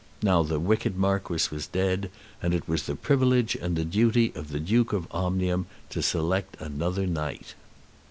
Now the wicked Marquis was dead, and it was the privilege and the duty of the Duke of Omnium to select another Knight.